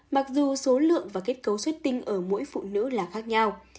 mặc dù số lượng và kết cấu suyết tinh ở mỗi phụ nữ là khác nhau